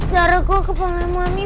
zara gue kepala mami